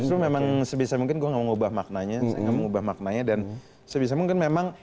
itu memang sebisa mungkin gua ngubah maknanya ngubah maknanya dan sebisa mungkin memang